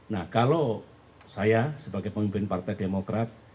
nah kalau saya sebagai pemimpin partai demokrat